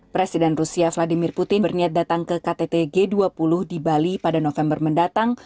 presiden rusia vladimir putin berniat datang ke ktt g dua puluh di bali pada november mendatang